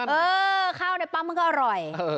เออข้าวในปั๊มมันก็อร่อย